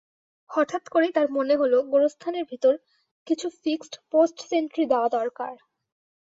হঠাৎ করেই তাঁর মনে হলো, গোরস্থানের ভেতর কিছু ফিক্সড পোস্ট সেন্ট্রি দেয়া দরকার।